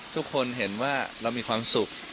ทุกคนเห็นว่าเรามีความสุข